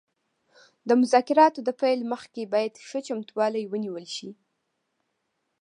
د مذاکراتو د پیل مخکې باید ښه چمتووالی ونیول شي